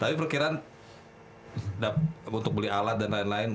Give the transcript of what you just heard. tapi perkiraan untuk beli alat dan lain lain